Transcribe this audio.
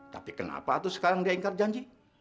tapi kenapa tuh sekarang dia ingkar janji